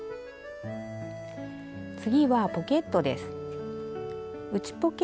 次はポケットです。